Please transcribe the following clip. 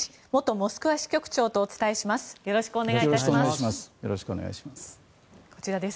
モスクワ支局長とお伝えします。